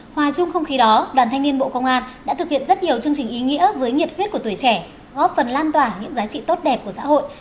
hòa chung không khí đó đoàn thanh niên bộ công an đã thực hiện rất nhiều chương trình ý nghĩa với nhiệt huyết của tuổi trẻ góp phần lan tỏa những giá trị tốt đẹp của xã hội